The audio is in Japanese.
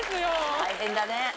大変だね。